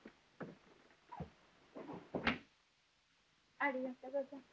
ありがとうござんした。